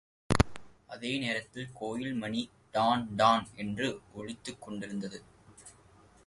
அந்த நேரத்தில் கோயில் மணி டாண் டாண் என்று ஒலித்துக்கொண்டு இருந்தது.